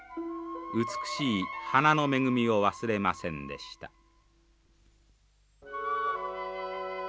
美しい花の恵みを忘れませんでした。